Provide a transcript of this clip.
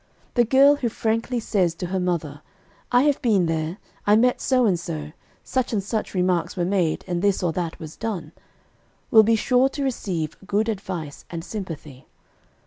The girl who frankly says to her mother, "I have been there, I met so and so. Such and such remarks were made, and this or that was done," will be sure to receive good advice and sympathy.